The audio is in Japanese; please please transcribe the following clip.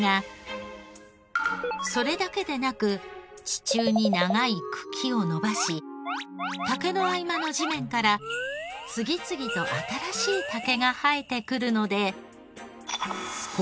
それだけでなく地中に長い茎を伸ばし竹の合間の地面から次々と新しい竹が生えてくるので。